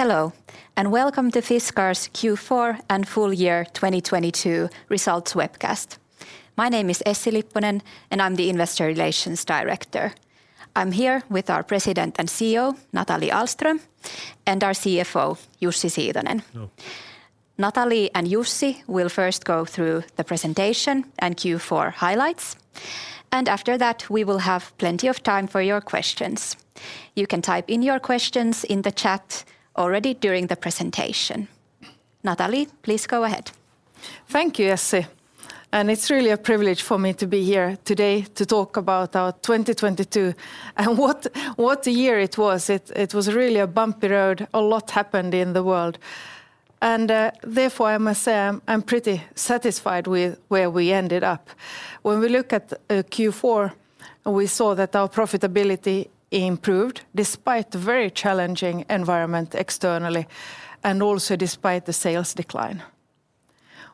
Hello, welcome to Fiskars' Q4 and full year 2022 results webcast. My name is Essi Lipponen, and I'm the investor relations director. I'm here with our President and CEO, Nathalie Ahlström, and our CFO, Jussi Siitonen. Hello. Nathalie and Jussi will first go through the presentation and Q4 highlights, and after that, we will have plenty of time for your questions. You can type in your questions in the chat already during the presentation. Nathalie, please go ahead. Thank you, Essi, it's really a privilege for me to be here today to talk about our 2022, what a year it was. It was really a bumpy road. A lot happened in the world. Therefore, I must say I'm pretty satisfied with where we ended up. When we look at Q4, we saw that our profitability improved despite very challenging environment externally and also despite the sales decline.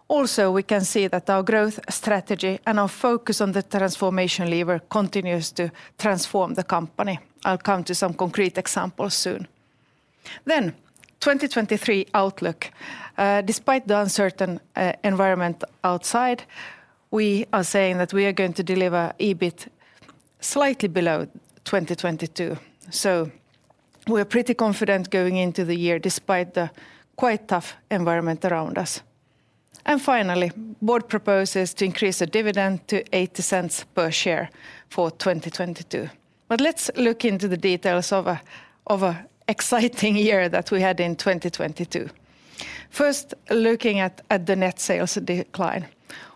We can see that our growth strategy and our focus on the transformation lever continues to transform the company. I'll come to some concrete examples soon. 2023 outlook. Despite the uncertain environment outside, we are saying that we are going to deliver EBIT slightly below 2022, we're pretty confident going into the year despite the quite tough environment around us. Finally, Board proposes to increase the dividend to 0.80 per share for 2022. Let's look into the details of an exciting year that we had in 2022. First, looking at the net sales decline.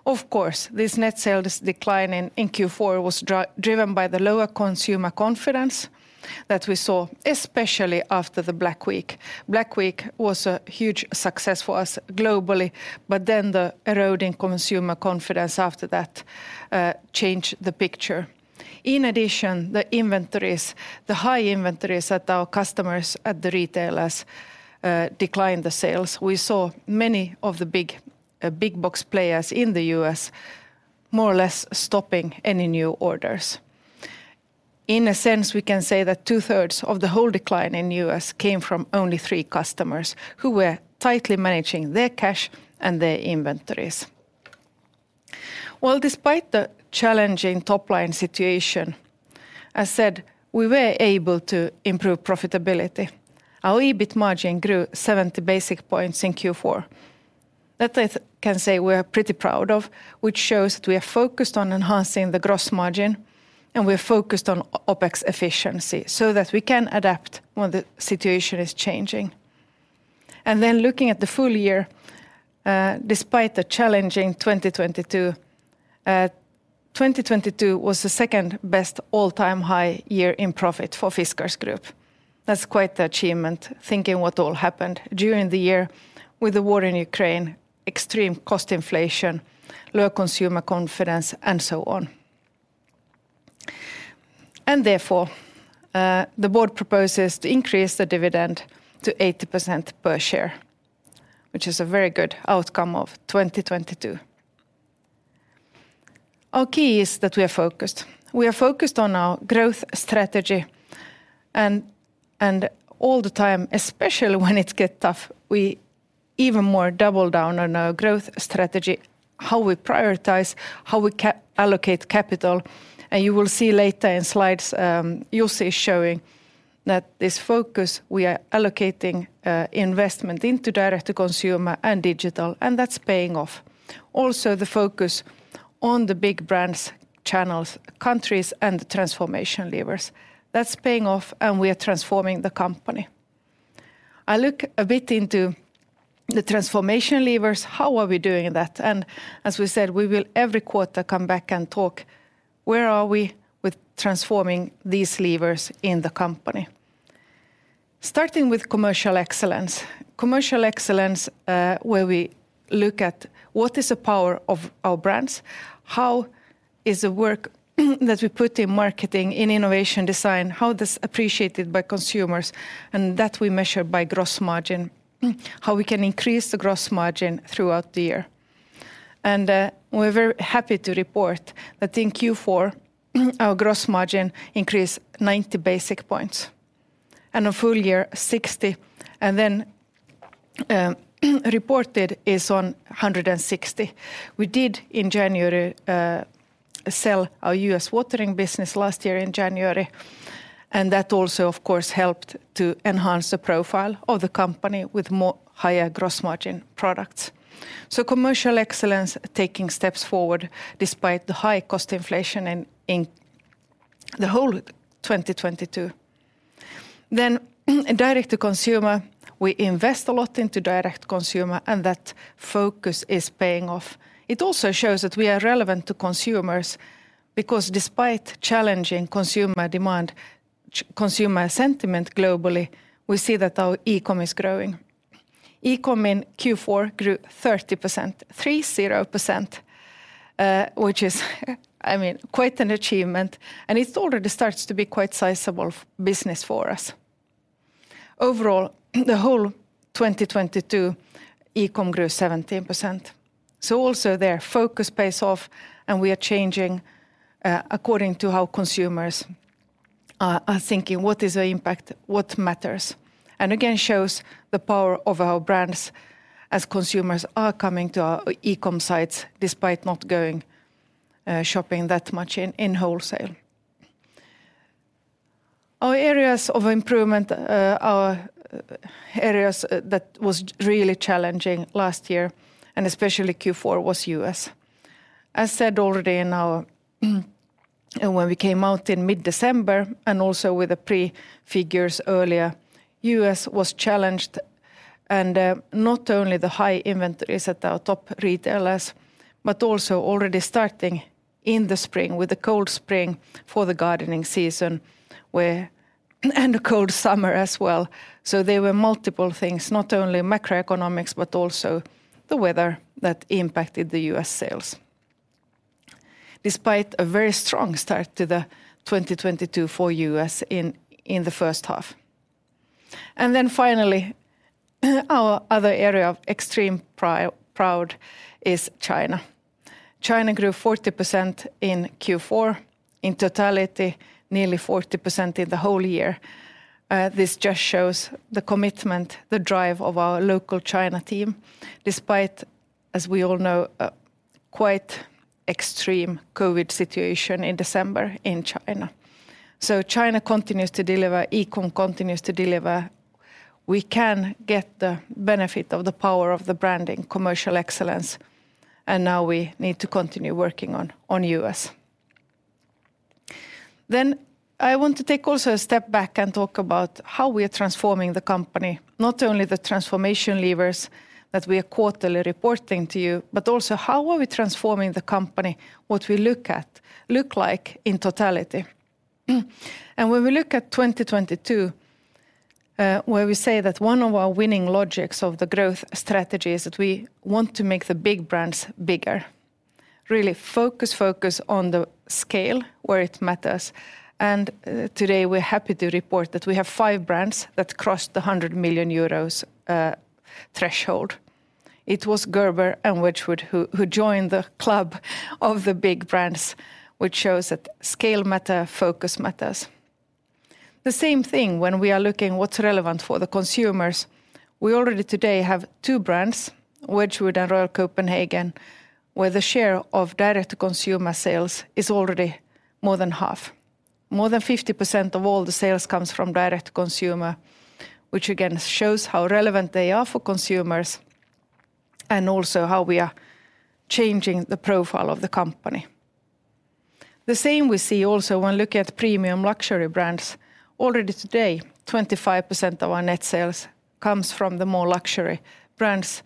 Of course, this net sales decline in Q4 was driven by the lower consumer confidence that we saw, especially after the Black Week. Black Week was a huge success for us globally, the eroding consumer confidence after that changed the picture. In addition, the inventories, the high inventories at our customers, at the retailers, declined the sales. We saw many of the big, big box players in the U.S. more or less stopping any new orders. In a sense, we can say that two-thirds of the whole decline in U.S. came from only three customers who were tightly managing their cash and their inventories. Well, despite the challenging top-line situation, as said, we were able to improve profitability. Our EBIT margin grew 70 basis points in Q4. That I can say we're pretty proud of, which shows that we are focused on enhancing the gross margin, and we're focused on OpEx efficiency so that we can adapt when the situation is changing. Looking at the full year, despite the challenging 2022 was the second best all-time high year in profit for Fiskars Group. That's quite the achievement, thinking what all happened during the year with the war in Ukraine, extreme cost inflation, low consumer confidence, and so on. Therefore, the board proposes to increase the dividend to 80% per share, which is a very good outcome of 2022. Our key is that we are focused. We are focused on our growth strategy and all the time, especially when it get tough, we even more double down on our growth strategy, how we prioritize, how we allocate capital. You will see later in slides, Jussi showing that this focus we are allocating investment into direct to consumer and digital, and that's paying off. Also, the focus on the big brands, channels, countries, and transformation levers. That's paying off, and we are transforming the company. I look a bit into the transformation levers. How are we doing that? As we said, we will every quarter come back and talk where are we with transforming these levers in the company. Starting with commercial excellence. Commercial excellence, where we look at what is the power of our brands, how is the work that we put in marketing, in innovation design, how that's appreciated by consumers, and that we measure by gross margin, how we can increase the gross margin throughout the year. We're very happy to report that in Q4, our gross margin increased 90 basic points, and on full year, 60 basic points, and then, reported is on 160 basic points. We did, in January, sell our U.S. Watering Business last year in January, that also, of course, helped to enhance the profile of the company with more higher gross margin products. Commercial excellence taking steps forward despite the high cost inflation in the whole 2022. Direct to consumer, we invest a lot into direct consumer, that focus is paying off. It also shows that we are relevant to consumers because despite challenging consumer demand, consumer sentiment globally, we see that our e-com is growing. E-com in Q4 grew 30%, which is, I mean, quite an achievement, and it already starts to be quite sizable business for us. Overall, the whole 2022 e-com grew 17%. Also their focus pays off and we are changing according to how consumers are thinking what is the impact, what matters. Again, shows the power of our brands as consumers are coming to our e-com sites despite not going shopping that much in wholesale. Our areas of improvement, our areas that was really challenging last year and especially Q4 was U.S. As said already in our... When we came out in mid-December and also with the pre-figures earlier, U.S. was challenged, not only the high inventories at our top retailers, but also already starting in the spring with the cold spring for the gardening season and a cold summer as well. There were multiple things, not only macroeconomics, but also the weather that impacted the U.S. sales despite a very strong start to 2022 for U.S. in the first half. Finally, our other area of extreme proud is China. China grew 40% in Q4, in totality nearly 40% in the whole year. This just shows the commitment, the drive of our local China team, despite, as we all know, a quite extreme COVID situation in December in China. China continues to deliver, e-com continues to deliver. We can get the benefit of the power of the branding, commercial excellence. Now we need to continue working on U.S. I want to take also a step back and talk about how we are transforming the company, not only the transformation levers that we are quarterly reporting to you, but also how are we transforming the company, what we look at, look like in totality. When we look at 2022, where we say that one of our winning logics of the growth strategy is that we want to make the big brands bigger. Really focus on the scale where it matters. Today, we're happy to report that we have five brands that crossed the 100 million euros threshold. It was Gerber and Wedgwood who joined the club of the big brands, which shows that scale matter, focus matters. The same thing when we are looking what's relevant for the consumers. We already today have two brands, Wedgwood and Royal Copenhagen, where the share of direct consumer sales is already more than half. More than 50% of all the sales comes from direct consumer, which again shows how relevant they are for consumers and also how we are changing the profile of the company. The same we see also when looking at premium luxury brands. Already today, 25% of our net sales comes from the more luxury brands,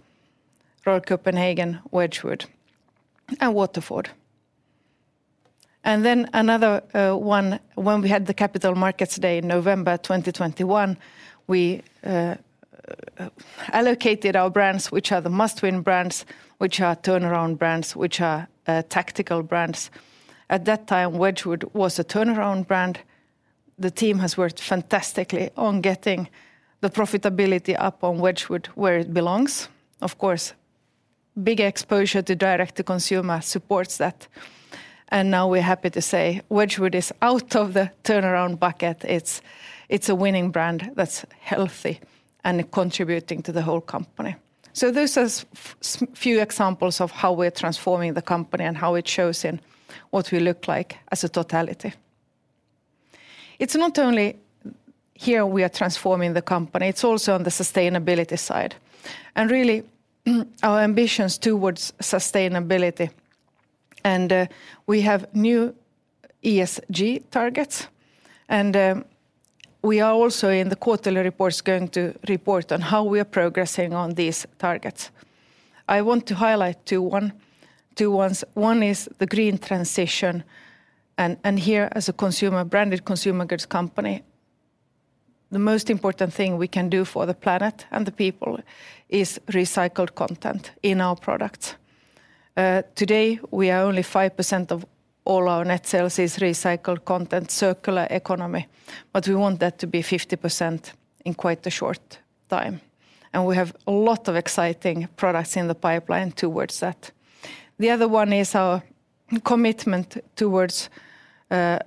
Royal Copenhagen, Wedgwood, and Waterford. Another 1, when we had the Capital Markets Day in November 2021, we allocated our brands, which are the must-win brands, which are turnaround brands, which are tactical brands. At that time, Wedgwood was a turnaround brand. The team has worked fantastically on getting the profitability up on Wedgwood where it belongs. Of course, big exposure to direct to consumer supports that. Now we're happy to say Wedgwood is out of the turnaround bucket. It's a winning brand that's healthy and contributing to the whole company. Those are few examples of how we're transforming the company and how it shows in what we look like as a totality. It's not only here we are transforming the company, it's also on the sustainability side and really our ambitions towards sustainability. We have new ESG targets. We are also in the quarterly reports going to report on how we are progressing on these targets. I want to highlight two ones. One is the green transition, here as a consumer, branded consumer goods company, the most important thing we can do for the planet and the people is recycled content in our products. Today, we are only 5% of all our net sales is recycled content, circular economy, but we want that to be 50% in quite a short time. We have a lot of exciting products in the pipeline towards that. The other one is our commitment towards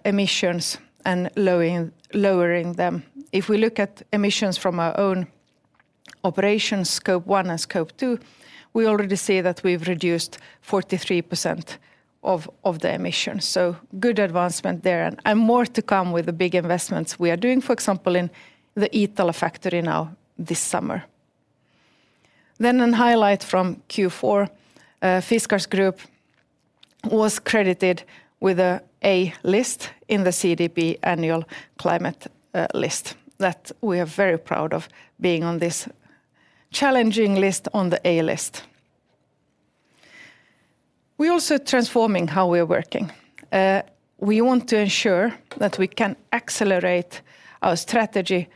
emissions and lowering them. If we look at emissions from our own operations, Scope 1 and Scope 2, we already see that we've reduced 43% of the emissions. Good advancement there and more to come with the big investments we are doing, for example, in the Iittala factory now this summer. A highlight from Q4, Fiskars Group was credited with an A list in the CDP annual climate list that we are very proud of being on this challenging list on the A list. We're also transforming how we are working. We want to ensure that we can accelerate our strategy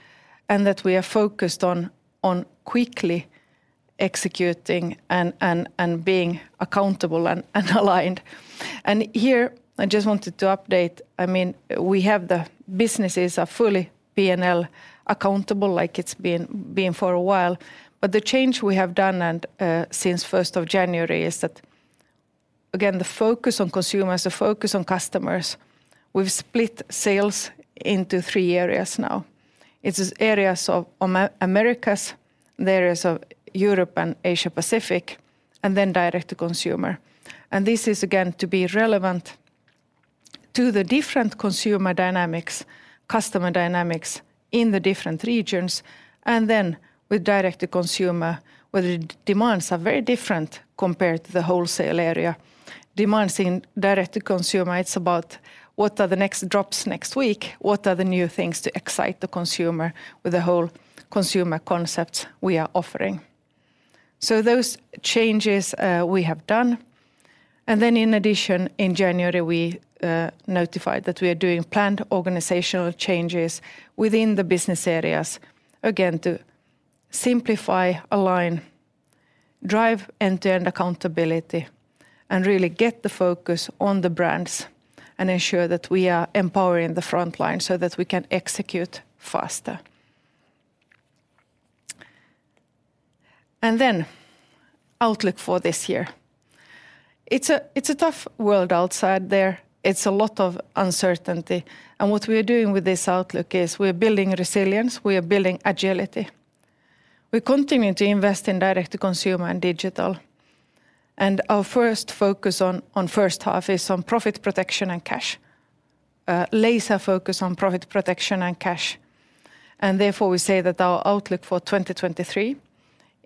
and that we are focused on quickly executing and being accountable and aligned. Here I just wanted to update. I mean, we have the businesses are fully P&L accountable like it's been for a while. The change we have done since 1st of January is that again, the focus on consumers, the focus on customers, we've split sales into three areas now. It's as areas of America, the areas of Europe and Asia Pacific, and then Direct to Consumer. This is again to be relevant to the different consumer dynamics, customer dynamics in the different regions. With direct to consumer where the demands are very different compared to the wholesale area. Demands in direct to consumer, it's about what are the next drops next week, what are the new things to excite the consumer with the whole consumer concepts we are offering. Those changes we have done. In addition, in January we notified that we are doing planned organizational changes within the Business Areas, again, to simplify, align, drive end-to-end accountability, and really get the focus on the brands and ensure that we are empowering the frontline so that we can execute faster. Outlook for this year. It's a tough world outside there. It's a lot of uncertainty. What we are doing with this outlook is we are building resilience, we are building agility. We continue to invest in direct to consumer and digital. Our first focus on first half is on profit protection and cash. Laser focus on profit protection and cash. Therefore we say that our outlook for 2023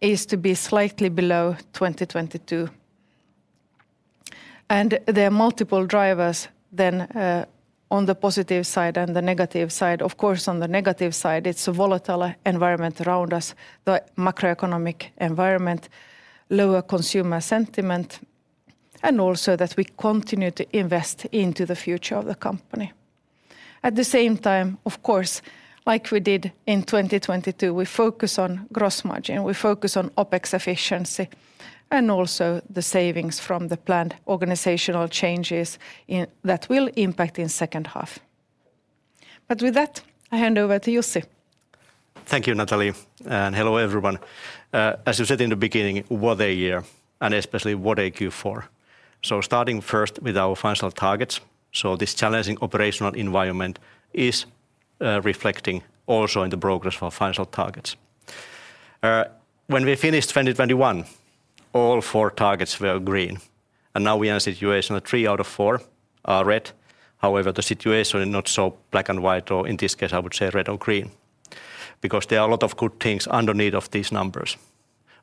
is to be slightly below 2022. There are multiple drivers then on the positive side and the negative side. Of course, on the negative side, it's a volatile environment around us, the macroeconomic environment, lower consumer sentiment, and also that we continue to invest into the future of the company. At the same time, of course, like we did in 2022, we focus on gross margin, we focus on OpEx efficiency and also the savings from the planned organizational changes that will impact in second half. With that, I hand over to Jussi. Thank you, Nathalie, and hello everyone. As you said in the beginning, what a year, and especially what a Q4. Starting first with our financial targets. When we finished 2021, all four targets were green, and now we are in a situation that three out of four are red. However, the situation is not so black and white, or in this case, I would say red or green because there are a lot of good things underneath of these numbers.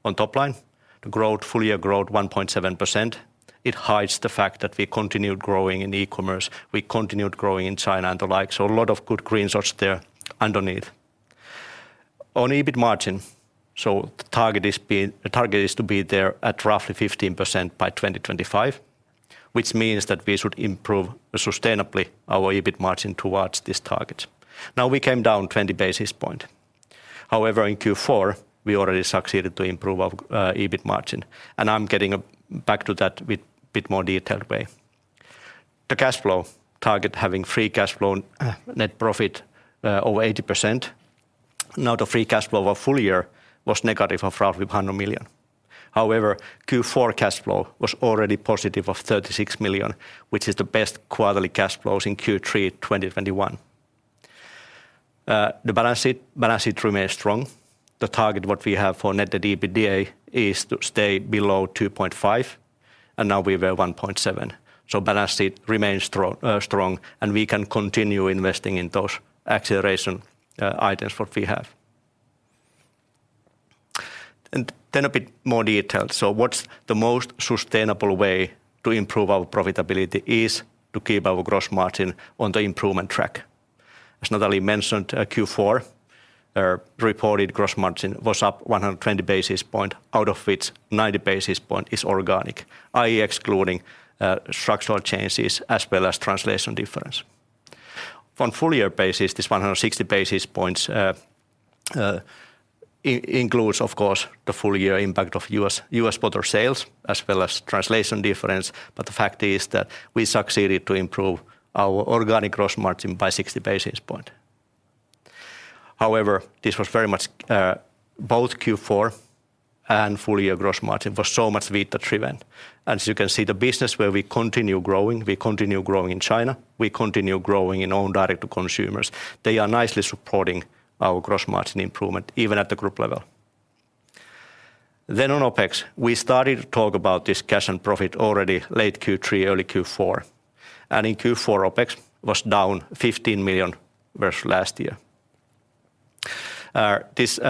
On top line, the growth, full year growth 1.7%, it hides the fact that we continued growing in e-commerce, we continued growing in China and the like, a lot of good green shoots there underneath. On EBIT margin, the target is to be there at roughly 15% by 2025, which means that we should improve sustainably our EBIT margin towards this target. Now, we came down 20 basis points. However, in Q4 we already succeeded to improve our EBIT margin, and I'm getting back to that with bit more detailed way. The cash flow target, having free cash flow net profit over 80%. Now the free cash flow of full year was negative of roughly 100 million. However, Q4 cash flow was already positive of 36 million, which is the best quarterly cash flows in Q3 2021. The balance sheet remains strong. The target what we have for net to EBITDA is to stay below 2.5, and now we were 1.7. Balance sheet remains strong, and we can continue investing in those acceleration items what we have. Then a bit more detail. What's the most sustainable way to improve our profitability is to keep our gross margin on the improvement track. As Nathalie mentioned, Q4, our reported gross margin was up 120 basis points out of which 90 basis points is organic, i.e. excluding structural changes as well as translation difference. On full year basis, this 160 basis points includes, of course, the full year impact of U.S. border sales as well as translation difference, but the fact is that we succeeded to improve our organic gross margin by 60 basis points. This was very much, both Q4 and full year gross margin was so much Vita driven. As you can see, the business where we continue growing, we continue growing in China, we continue growing in own direct to consumers. They are nicely supporting our gross margin improvement even at the group level. On OpEx, we started to talk about this cash and profit already late Q3, early Q4. In Q4, OpEx was down 15 million versus last year. This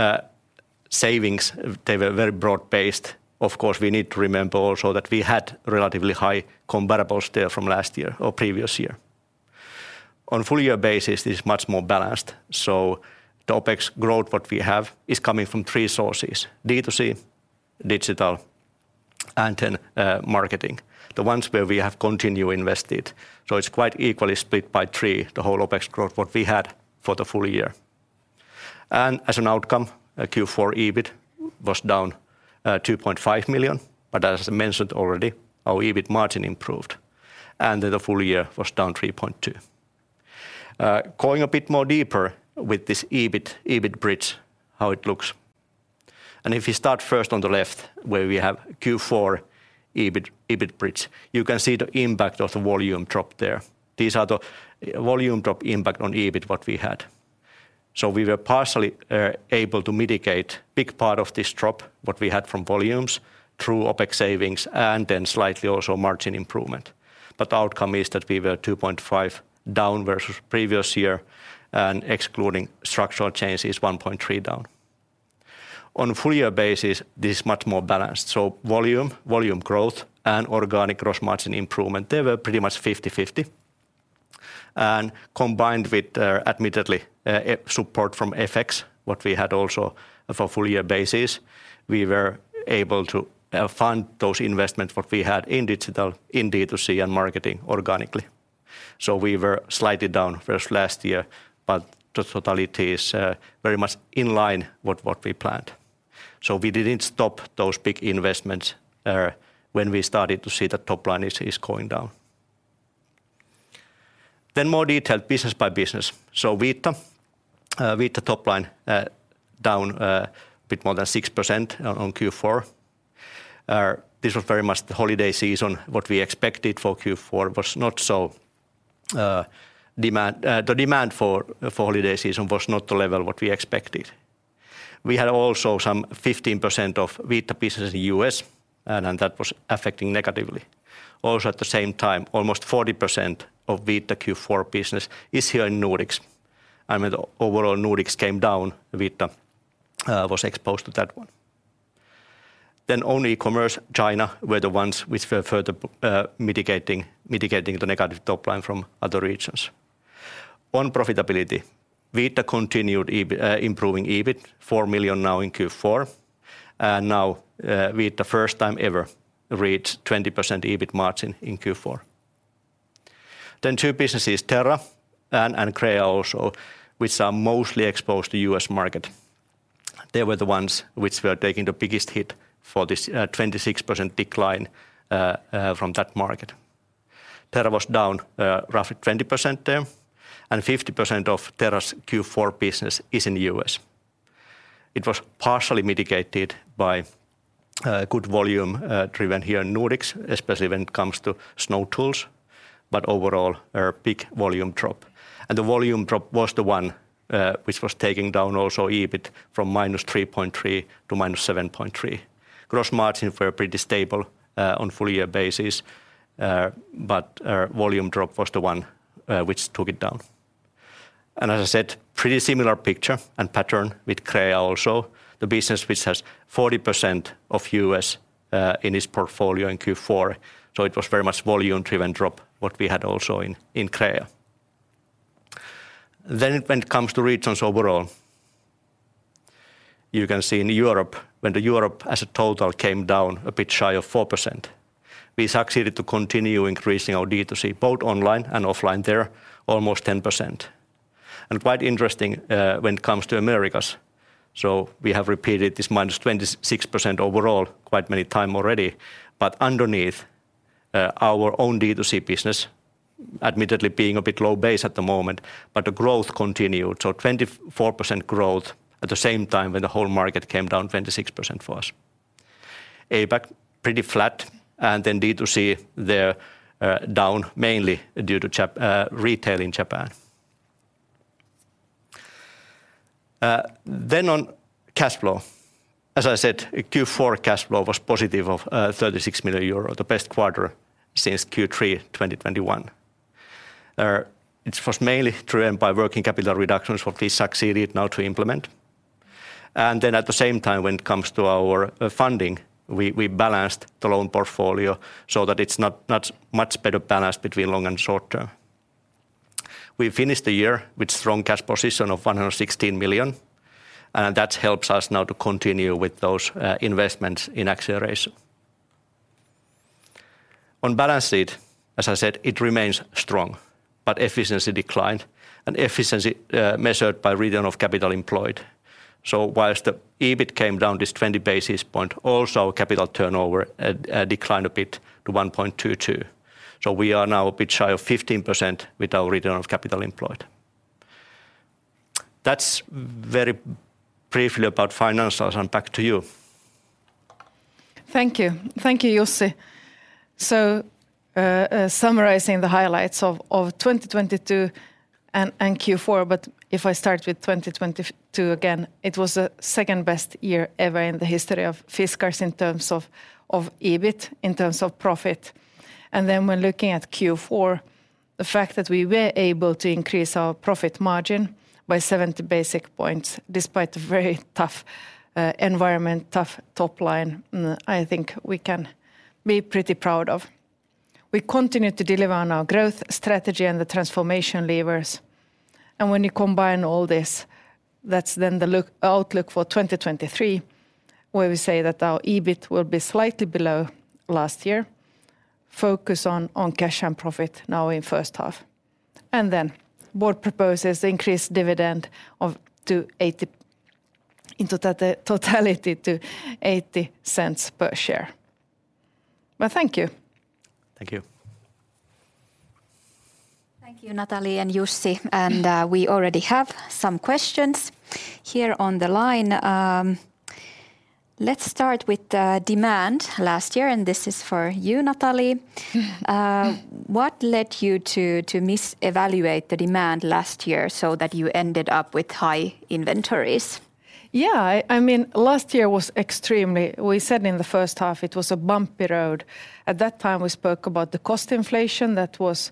savings, they were very broad-based. Of course, we need to remember also that we had relatively high comparables there from last year or previous year. On full year basis, it is much more balanced. The OpEx growth what we have is coming from three sources: D2C, digital, and marketing, the ones where we have continue invested. It's quite equally split by 3, the whole OpEx growth, what we had for the full year. As an outcome, Q4 EBIT was down 2.5 million. As mentioned already, our EBIT margin improved, the full year was down 3.2 million. Going a bit more deeper with this EBIT bridge, how it looks. If you start first on the left where we have Q4 EBIT bridge, you can see the impact of the volume drop there. These are the volume drop impact on EBIT what we had. We were partially able to mitigate big part of this drop, what we had from volumes through OpEx savings and then slightly also margin improvement. The outcome is that we were 2.5 down versus previous year and excluding structural changes 1.3 down. On a full year basis, this is much more balanced. Volume growth, and organic gross margin improvement, they were pretty much 50/50. Combined with admittedly support from FX, what we had also for full year basis, we were able to fund those investments what we had in digital, in D2C and marketing organically. We were slightly down versus last year, but the totality is very much in line with what we planned. We didn't stop those big investments when we started to see the top line is going down. More detailed business by business. Vita top line down a bit more than 6% on Q4. This was very much the holiday season. What we expected for Q4 was not so demand. The demand for holiday season was not the level what we expected. We had also some 15% of Vita business in the U.S., and that was affecting negatively. At the same time, almost 40% of Vita Q4 business is here in Nordics. When the overall Nordics came down, Vita was exposed to that one. Only Commerce China were the ones which were further mitigating the negative top line from other regions. On profitability, Vita continued improving EBIT, 4 million now in Q4. Now, Vita first time ever reached 20% EBIT margin in Q4. Two businesses, Terra and Crea also, which are mostly exposed to U.S. market, they were the ones which were taking the biggest hit for this 26% decline from that market. Terra was down, roughly 20% there, and 50% of Terra's Q4 business is in the U.S. It was partially mitigated by good volume driven here in Nordics, especially when it comes to snow tools, but overall a big volume drop. The volume drop was the one which was taking down also EBIT from -3.3 to -7.3. Gross margin were pretty stable on full year basis, but our volume drop was the one which took it down. As I said, pretty similar picture and pattern with Crea also. The business which has 40% of U.S. in its portfolio in Q4, so it was very much volume-driven drop what we had also in Crea. When it comes to regions overall, you can see in Europe, when the Europe as a total came down a bit shy of 4%, we succeeded to continue increasing our D2C both online and offline there almost 10%. Quite interesting, when it comes to America, we have repeated this minus 26% overall quite many time already. Underneath, our own D2C business, admittedly being a bit low base at the moment, but the growth continued. 24% growth at the same time when the whole market came down 26% for us. APAC pretty flat D2C there, down mainly due to retail in Japan. On cash flow. As I said, Q4 cash flow was positive of 36 million euro, the best quarter since Q3 2021. It was mainly driven by working capital reductions what we succeeded now to implement. At the same time, when it comes to our funding, we balanced the loan portfolio so that it's not much better balanced between long and short term. We finished the year with strong cash position of 116 million, and that helps us now to continue with those investments in acceleration. On balance sheet, as I said, it remains strong, but efficiency declined, and efficiency measured by return on capital employed. Whilst the EBIT came down this 20 basis point, also capital turnover declined a bit to 1.22. We are now a bit shy of 15% with our return on capital employed. That's very briefly about financials, and back to you. Thank you. Thank you, Jussi. Summarizing the highlights of 2022 and Q4, if I start with 2022 again, it was the second best year ever in the history of Fiskars in terms of EBIT, in terms of profit. When looking at Q4, the fact that we were able to increase our profit margin by 70 basis points despite the very tough environment, tough top line, I think we can be pretty proud of. We continued to deliver on our growth strategy and the transformation levers. When you combine all this, that's then the outlook for 2023, where we say that our EBIT will be slightly below last year. Focus on cash and profit now in first half. Board proposes increased dividend of to 80... into totality to EUR 0.80 per share. Well, thank you. Thank you. Thank you, Nathalie and Jussi. We already have some questions here on the line. Let's start with demand last year, and this is for you, Nathalie. What led you to misevaluate the demand last year so that you ended up with high inventories? I mean, last year was extremely. We said in the first half it was a bumpy road. At that time, we spoke about the cost inflation that was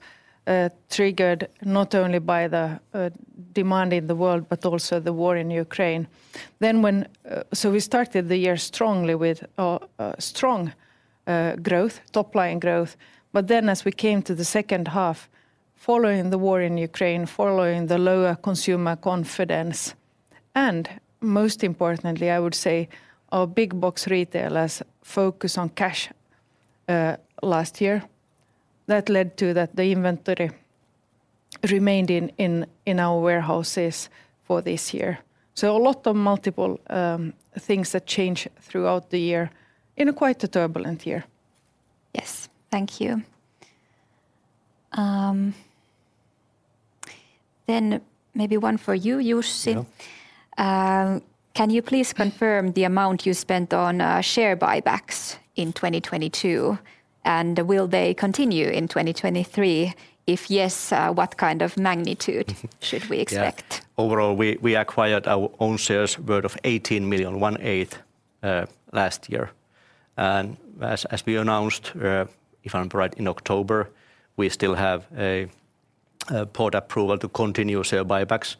triggered not only by the demand in the world but also the war in Ukraine. We started the year strongly with strong growth, top line growth. As we came to the second half, following the war in Ukraine, following the lower consumer confidence, and most importantly I would say our big box retailers' focus on cash last year, that led to that the inventory remained in our warehouses for this year. A lot of multiple things that change throughout the year in a quite a turbulent year. Yes. Thank you. Maybe one for you, Jussi. Yeah. Can you please confirm the amount you spent on share buybacks in 2022, and will they continue in 2023? If yes, what kind of magnitude should we expect? Overall, we acquired our own shares worth of 18 million, one eighth, last year. As we announced, if I'm right, in October, we still have a board approval to continue share buybacks.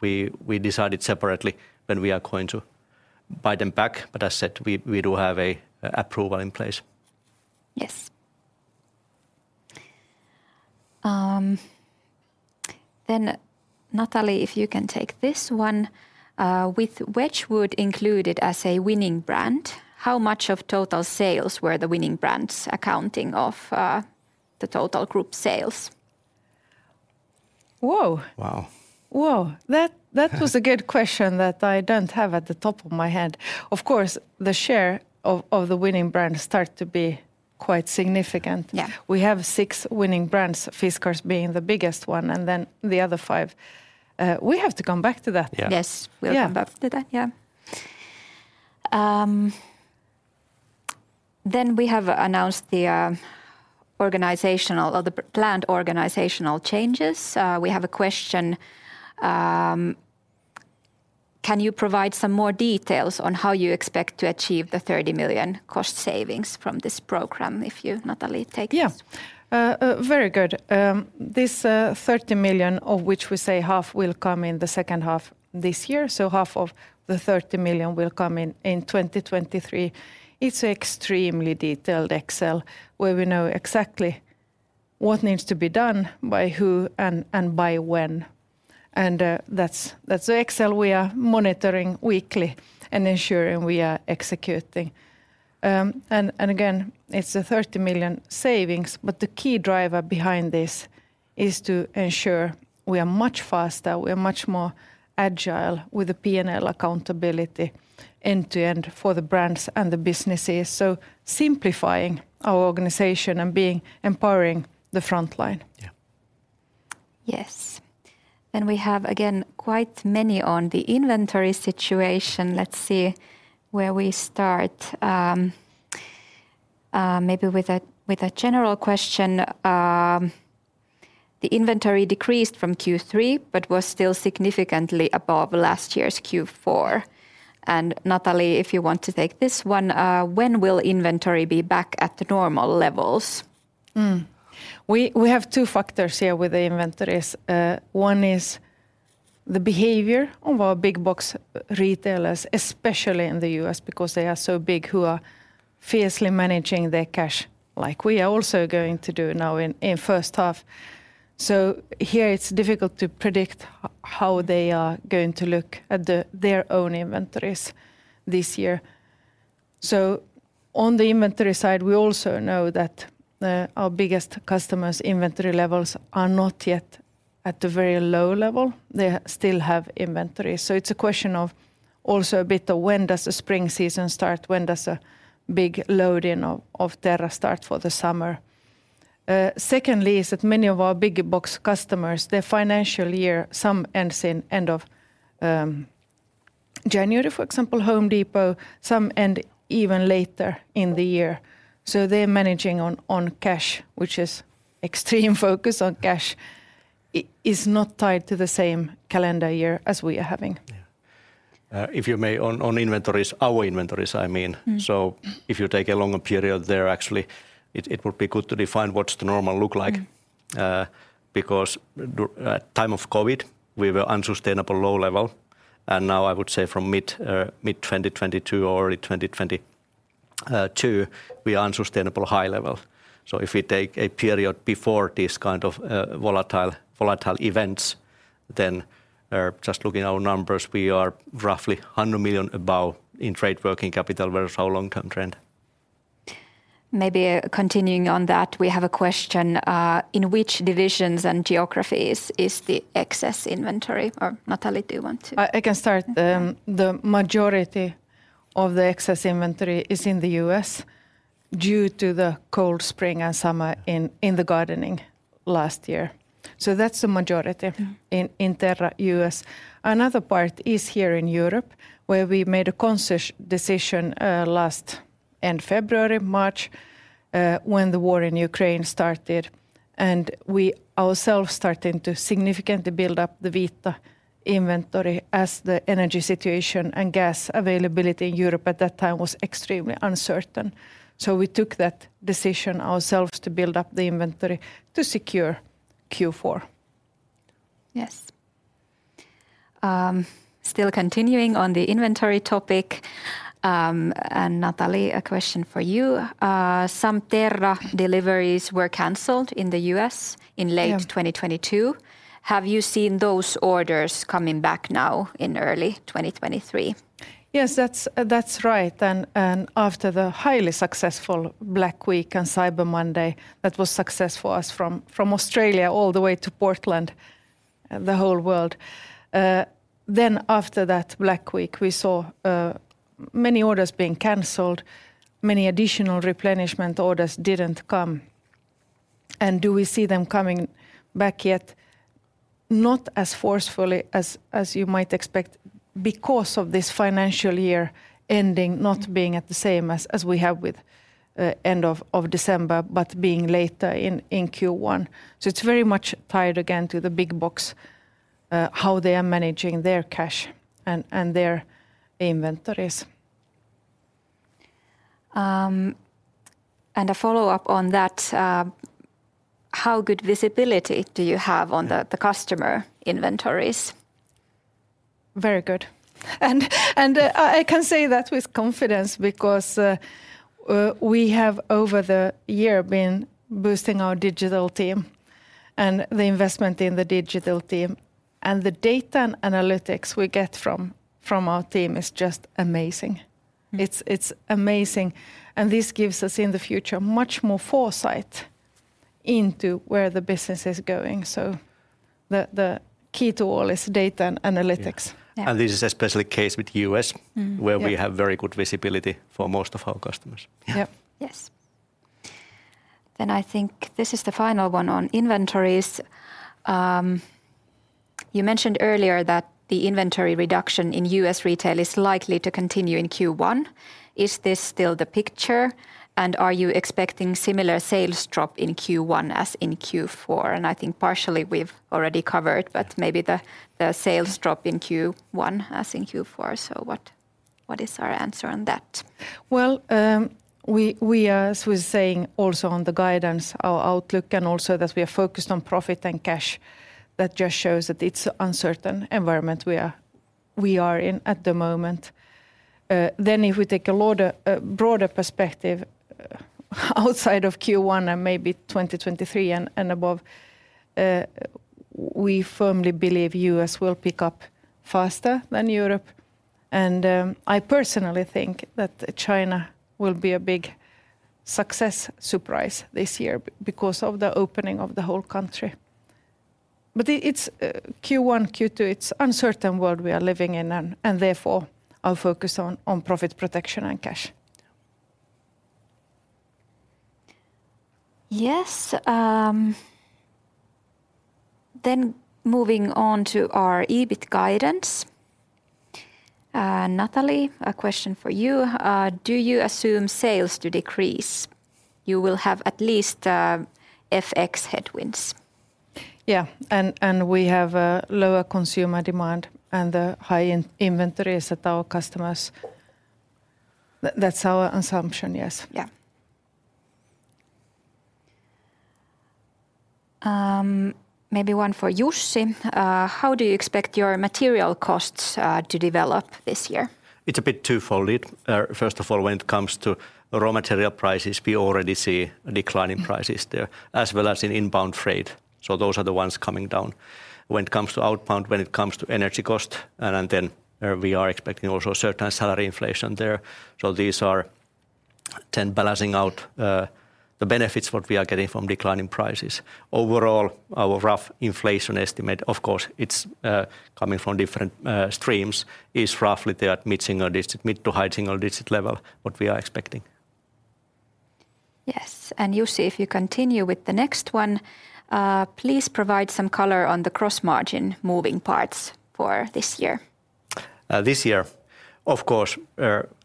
We decided separately when we are going to buy them back. As said, we do have a approval in place. Yes. Nathalie, if you can take this one. With Wedgwood included as a winning brand, how much of total sales were the winning brands accounting of, the total group sales? Whoa. Wow. Whoa. That was a good question that I don't have at the top of my head. Of course, the share of the winning brands start to be quite significant. Yeah. We have six winning brands, Fiskars being the biggest one, and then the other five. We have to come back to that. Yeah. Yes. We'll come back to that. Yeah. We have announced the organizational or the planned organizational changes. We have a question, can you provide some more details on how you expect to achieve the 30 million cost savings from this program? If you, Nathalie, take this. Yeah. Very good. This 30 million of which we say half will come in the second half this year, so half of the 30 million will come in 2023. It's extremely detailed Excel where we know exactly what needs to be done by who and by when. That's the Excel we are monitoring weekly and ensuring we are executing. Again, it's a 30 million savings, but the key driver behind this is to ensure we are much faster, we are much more agile with the P&L accountability end to end for the brands and the businesses. Simplifying our organization and empowering the frontline. Yeah. Yes. We have again quite many on the inventory situation. Let's see where we start, maybe with a, with a general question. The inventory decreased from Q3 but was still significantly above last year's Q4. Nathalie, if you want to take this one, when will inventory be back at the normal levels? We have two factors here with the inventories. One is the behavior of our big box retailers, especially in the U.S. because they are so big, who are fiercely managing their cash like we are also going to do now in first half. Here it's difficult to predict how they are going to look at their own inventories this year. On the inventory side, we also know that our biggest customers' inventory levels are not yet at the very low level. They still have inventory. It's a question of also a bit of when does the spring season start, when does a big load in of Terra start for the summer. Secondly is that many of our bigger box customers, their financial year, some ends in end of January, for example, The Home Depot. Some end even later in the year. They're managing on cash, which is extreme focus on cash, is not tied to the same calendar year as we are having. Yeah. If you may, on inventories, our inventories I mean- Mm If you take a longer period there actually, it would be good to define what's the normal look like. Mm. Because time of COVID, we were unsustainable low level, now I would say from mid-2022 or early 2022, we are unsustainable high level. If we take a period before this kind of volatile events. Just looking at our numbers, we are roughly 100 million above in trade working capital versus our long-term trend. Maybe, continuing on that, we have a question, in which divisions and geographies is the excess inventory? Nathalie, I can start. The majority of the excess inventory is in the US due to the cold spring and summer in the gardening last year. That's the majority. Mm-hmm ...in Terra U.S. Another part is here in Europe, where we made a decision, last, end February, March, when the war in Ukraine started, and we ourselves started to significantly build up the Vita inventory as the energy situation and gas availability in Europe at that time was extremely uncertain. We took that decision ourselves to build up the inventory to secure Q4. Yes. still continuing on the inventory topic, and Nathalie, a question for you. some Terra deliveries were canceled in the U.S.? Yeah ...in late 2022. Have you seen those orders coming back now in early 2023? Yes, that's right. After the highly successful Black Week and Cyber Monday, that was success for us from Australia all the way to Portland, the whole world. After that Black Week, we saw many orders being canceled, many additional replenishment orders didn't come. Do we see them coming back yet? Not as forcefully as you might expect because of this financial year ending, not being at the same as we have with end of December, but being later in Q1. It's very much tied again to the big box, how they are managing their cash and their inventories. A follow-up on that. How good visibility do you have on the customer inventories? Very good. I can say that with confidence because we have, over the year, been boosting our digital team and the investment in the digital team, and the data and analytics we get from our team is just amazing. It's amazing, and this gives us, in the future, much more foresight into where the business is going. The key to all is data and analytics. Yeah. Yeah. this is especially the case with. Mm-hmm ...where we have very good visibility for most of our customers. Yeah. Yes. I think this is the final one on inventories. You mentioned earlier that the inventory reduction in U.S. retail is likely to continue in Q1. Is this still the picture, and are you expecting similar sales drop in Q1 as in Q4? I think partially we've already covered, but maybe the sales drop in Q1 as in Q4. What is our answer on that? Well, we are, as we're saying also on the guidance, our outlook can also... that we are focused on profit and cash, that just shows that it's uncertain environment we are in at the moment. Then if we take a broader perspective, outside of Q1 and maybe 2023 and above, we firmly believe U.S. will pick up faster than Europe. I personally think that China will be a big success surprise this year because of the opening of the whole country. It's Q1, Q2. It's uncertain world we are living in and therefore our focus on profit protection and cash. Moving on to our EBIT guidance. Nathalie, a question for you. Do you assume sales to decrease? You will have at least FX headwinds. Yeah, we have a lower consumer demand and the high inventory is at our customers. That's our assumption, yes. Maybe one for Jussi. How do you expect your material costs to develop this year? It's a bit twofold. First of all, when it comes to raw material prices, we already see a decline in prices there, as well as in inbound freight. Those are the ones coming down. When it comes to outbound, when it comes to energy cost, and then we are expecting also certain salary inflation there. These are then balancing out the benefits what we are getting from declining prices. Overall, our rough inflation estimate, of course, it's coming from different streams, is roughly there at mid-single digit%, mid- to high single digit% level, what we are expecting. Yes. Jussi, if you continue with the next one, please provide some color on the cross margin moving parts for this year. This year, of course,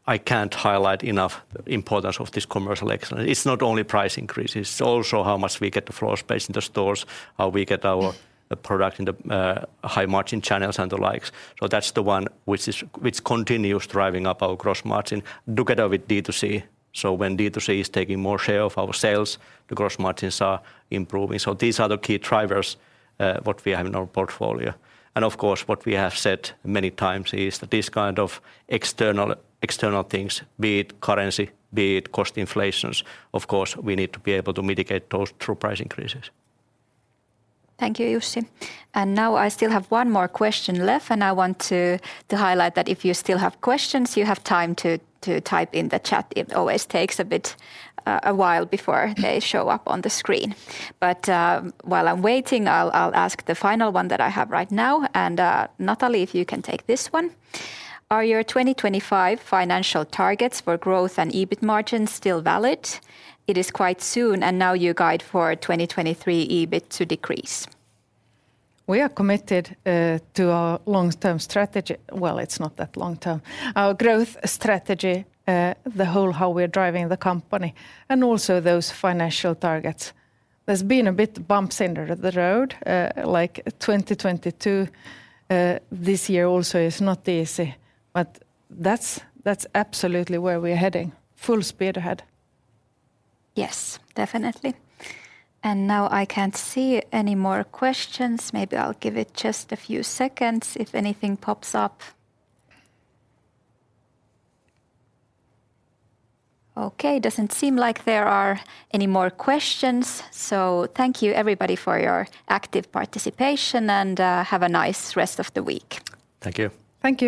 I can't highlight enough the importance of this commercial excellence. It's not only price increases, it's also how much we get the floor space in the stores, how we get our, the product in the high margin channels and the likes. That's the one which is, which continues driving up our gross margin together with D2C. When D2C is taking more share of our sales, the gross margins are improving. These are the key drivers, what we have in our portfolio. Of course, what we have said many times is that this kind of external things, be it currency, be it cost inflations, of course, we need to be able to mitigate those through price increases. Thank you, Jussi. Now I still have one more question left, I want to highlight that if you still have questions, you have time to type in the chat. It always takes a bit a while before they show up on the screen. While I'm waiting, I'll ask the final one that I have right now. Nathalie, if you can take this one. Are your 2025 financial targets for growth and EBIT margins still valid? It is quite soon, now you guide for 2023 EBIT to decrease. We are committed to our long-term strategy. Well, it's not that long term. Our growth strategy, the whole how we're driving the company, and also those financial targets. There's been a bit bumps in the road, like 2022. This year also is not easy, but that's absolutely where we're heading, full speed ahead. Yes, definitely. Now I can't see any more questions. Maybe I'll give it just a few seconds if anything pops up. Okay, doesn't seem like there are any more questions. Thank you everybody for your active participation, and have a nice rest of the week. Thank you. Thank you.